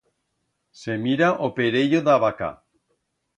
Se mira o perello d'a vaca.